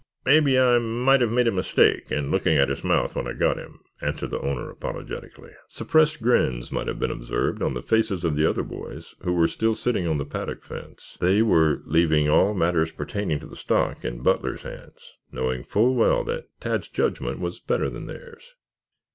"Mebby I might have made a mistake in looking at his mouth when I got him," answered the owner apologetically. Suppressed grins might have been observed on the faces of the other boys, who were still sitting on the paddock fence. They were leaving all matters pertaining to the stock in Butler's hands, knowing full well that Tad's judgment was better than theirs.